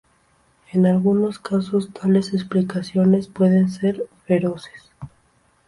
En algunos casos tales explicaciones pueden ser "feroces".